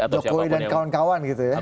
jokowi dan kawan kawan gitu ya